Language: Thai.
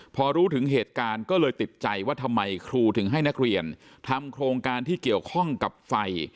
พอรู้ถึงเหตุการณ์ก็เลยติดใจว่าทำไมครูถึงให้นักเรียนทำโครงการที่เกี่ยวข้องกับไฟ